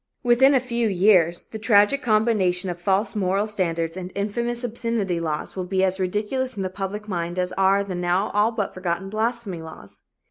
Within a few years the tragic combination of false moral standards and infamous obscenity laws will be as ridiculous in the public mind as are the now all but forgotten blasphemy laws.